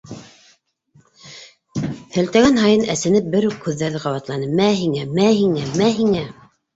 Һелтәгән һайын әсенеп бер үк һүҙҙәрҙе ҡабатланы: «Мә һиңә!», «Мә һиңә!», «Мә һиңә!»